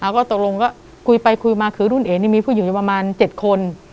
ก็ตกลงก็คุยไปคุยมาคือรุ่นเอ๋นี่มีผู้หญิงอยู่ประมาณ๗คน